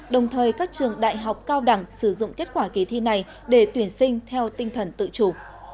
đồng thời các trường đại học cao đẳng sử dụng kết quả kỳ thi này để tuyển sinh theo tinh thần tự chủ